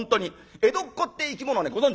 江戸っ子って生き物をねご存じないでしょ？